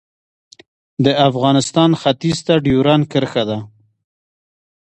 د افغانستان ختیځ ته ډیورنډ کرښه ده